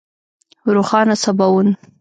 روښانه سباوون